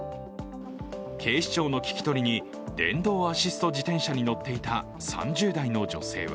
警視庁の聞き取りに電動アシスト自転車に乗っていた３０代の女性は